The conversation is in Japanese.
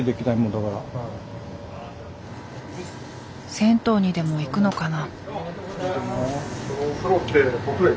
銭湯にでも行くのかな。